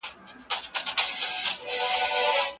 سياستپوهنه د سولي او جګړې ترمنځ توپير روښانه کوي.